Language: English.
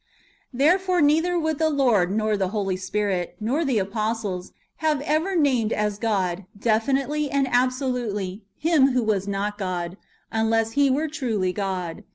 Therefore neither would the Lord, nor the Holy Spirit, nor the apostles, have ever named as God, definitely and absolutely, him who was not God, unless he were truly God ; 1 Eph.